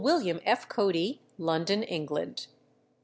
WM. F. CODY, London, England.